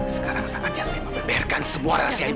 sekarang saatnya saya membeberkan semua rahasia ibu